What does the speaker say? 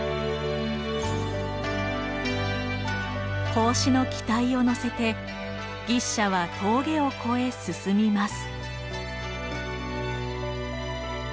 孔子の期待を乗せて牛車は峠を越え進みます。